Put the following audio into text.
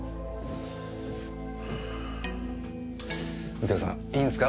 右京さんいいんすか？